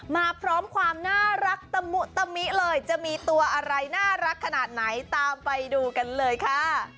มาพร้อมความน่ารักตะมุตะมิเลยจะมีตัวอะไรน่ารักขนาดไหนตามไปดูกันเลยค่ะ